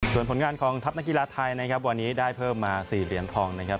ส่วนผลงานของทัพนักกีฬาไทยนะครับวันนี้ได้เพิ่มมา๔เหรียญทองนะครับ